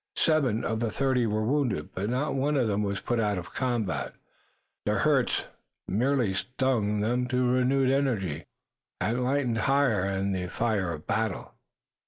Seven of the thirty were wounded, but not one of them was put out of the combat. Their hurts merely stung them to renewed energy, and lighted higher in them the fire of battle.